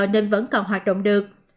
nên vẫn còn hoạt động được